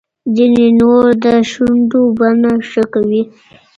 ځینې نور د شونډو بڼه ښه کوي.